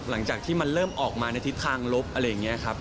หลังจากที่มันเริ่มออกมาในทิศทางลบอะไรอย่างนี้ครับ